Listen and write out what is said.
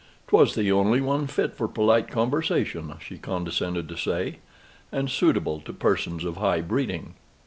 "'Twas the only one fit for polite conversation," she condescended to say, "and suitable to persons of high breeding."